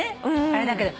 あれだけど。